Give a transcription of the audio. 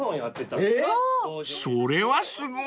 ［それはすごい！］